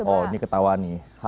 oh ini ketauan nih